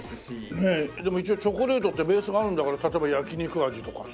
ねえでも一応チョコレートってベースがあるんだから例えば焼き肉味とかさ。